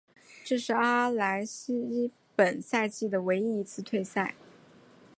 这是阿莱西本赛季的唯一一次退赛。